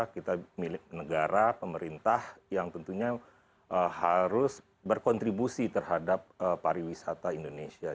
kita milik negara pemerintah yang tentunya harus berkontribusi terhadap pariwisata indonesia